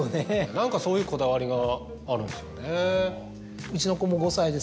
何かそういうこだわりがあるんですよね。